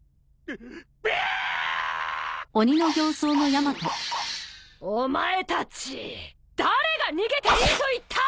びいいいいっ！お前たち誰が逃げていいと言った！